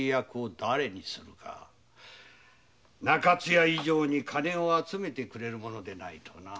中津屋以上に金を集めてくれる者でないとな。